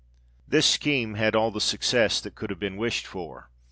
This scheme had all the success that could have been wished for.